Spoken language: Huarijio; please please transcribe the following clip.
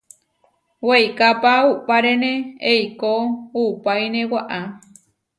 Weikápa uʼpárene eikó uʼpáine waʼá.